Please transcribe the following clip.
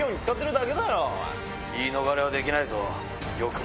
言い逃れはできないぞ。